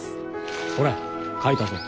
ほれ書いたぞ。